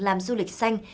làm du lịch xanh